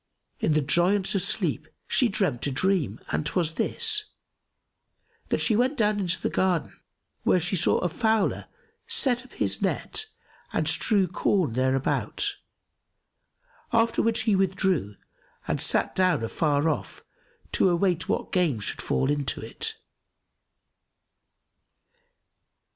In the joyance of sleep, she dreamt a dream and 'twas this, that she went down into the garden, where she saw a fowler set up his net and strew corn thereabout, after which he withdrew and sat down afar off to await what game should fall into it.